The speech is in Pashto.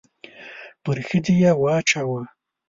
پر ښځې يې واچاوه.